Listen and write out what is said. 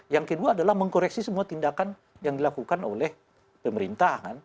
yang kedua adalah mengkoreksi semua tindakan yang dilakukan oleh pemerintah